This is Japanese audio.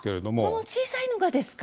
この小さいのがですか？